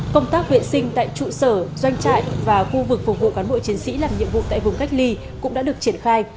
công tác vệ sinh tại trụ sở doanh trại và khu vực phục vụ cán bộ chiến sĩ làm nhiệm vụ tại vùng cách ly cũng đã được triển khai